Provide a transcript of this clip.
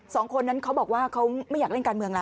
สองคนนั้นเขาบอกว่าเขาไม่อยากเล่นการเมืองแล้ว